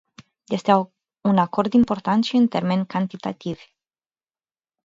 Este un acord important și în termeni cantitativi.